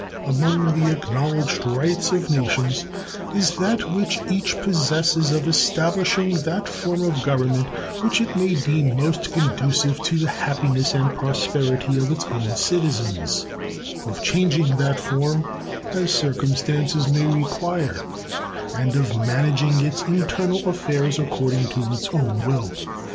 Among the acknowledged rights of nations is that which each possesses of establishing that form of government which it may deem most conducive to the happiness and prosperity of its own citizens, of changing that form as circumstances may require, and of managing its internal affairs according to its own will.